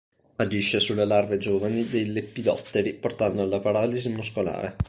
Agisce sulle larve giovani dei lepidotteri portando alla paralisi muscolare.